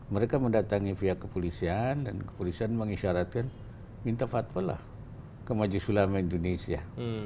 mereka mendatangi pihak kepolisian dan kepolisian mengisyaratkan minta fatwa lah ke majelis ulama indonesia